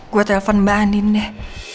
gue telepon mbak anin deh